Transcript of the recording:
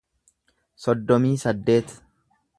soddomii saddeet